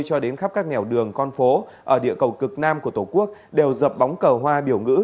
cho đến khắp các nẻo đường con phố ở địa cầu cực nam của tổ quốc đều dập bóng cờ hoa biểu ngữ